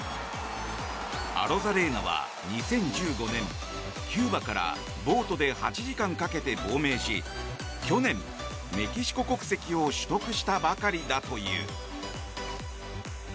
アロザレーナは、２０１５年キューバからボートで８時間かけて亡命し去年、メキシコ国籍を取得したばかりだという。